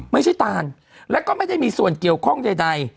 ตานแล้วก็ไม่ได้มีส่วนเกี่ยวข้องใด